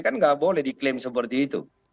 kan nggak boleh diklaim seperti itu